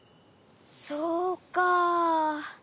そうか。